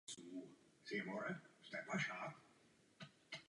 Stát se přesto zdráhal poskytnout financování.